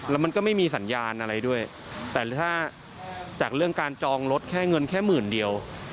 แล้วมันก็ไม่มีสัญญาณอะไรด้วยแต่ถ้าจากเรื่องการจองรถแค่เงินแค่หมื่นเดียว